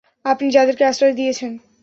আপনি যাদেরকে আশ্রয় দিয়েছেন।